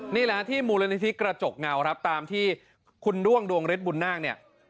นี่แหละที่มูลนิธิกระจกเงาครับตามที่คุณด้วงดวงฤทธิบุญนาคเนี่ย